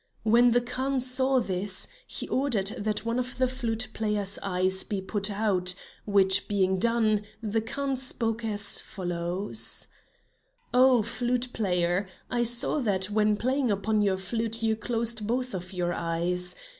When the Khan saw this, he ordered that one of the flute player's eyes be put out, which being done, the Khan spoke as follows: "Oh flute player, I saw that when playing upon your flute you closed both of your eyes.